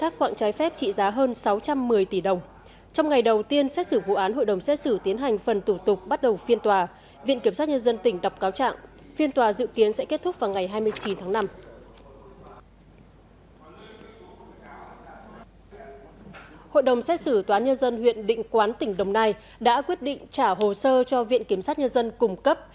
hội đồng xét xử tòa án nhân dân huyện định quán tỉnh đồng nai đã quyết định trả hồ sơ cho viện kiểm sát nhân dân cung cấp